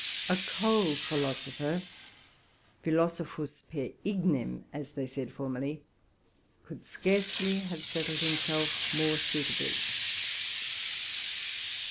A coal philosopher — philosophus ver ignem, as they said for merly — could scarcely have settled himself more suitably.